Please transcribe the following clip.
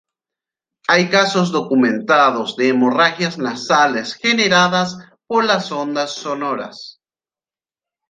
Hay casos documentados de hemorragias nasales generadas por las ondas sonoras.